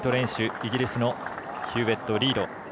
イギリスのヒューウェット、リード。